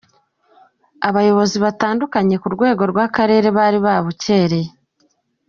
Abayobozi batandukanye ku rwego rw'akarere bari babukereye.